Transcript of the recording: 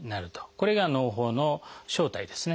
これがのう胞の正体ですね。